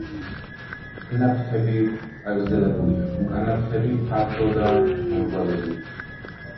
წინა ფრთები წაგრძელებულია, უკანა ფრთები ფართო და მომრგვალებულია.